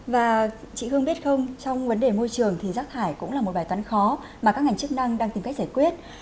và chị hương biết không trong vấn đề môi trường thì rác thải cũng là một bài toán khó mà các ngành chức năng đang tìm cách giải quyết